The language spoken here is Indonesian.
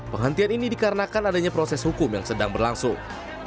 penghentian ini dikarenakan adanya proses hukum yang sedang berlangsung